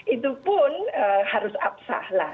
itu pun harus apsah lah